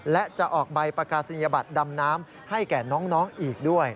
และจะออกใบประกาศนียบัตรดำน้ำให้แก่น้องอีกด้วย